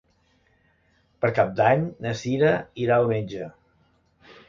Per Cap d'Any na Cira irà al metge.